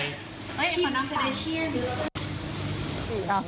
คิมคาเดชเชียน